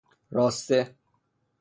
راسته